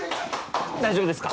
大丈夫ですか？